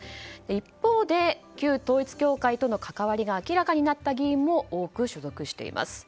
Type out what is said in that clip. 一方で、旧統一教会との関わりが明らかになった議員も多く所属しています。